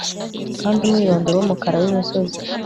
Kandi umwirondoro wumukara wimisozi